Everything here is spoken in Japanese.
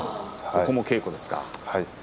ここも稽古ですか。